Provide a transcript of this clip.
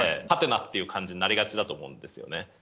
ハテナっていう感じになりがちだと思うんですよね。